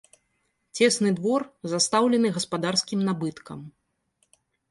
Цесны двор, застаўлены гаспадарскім набыткам.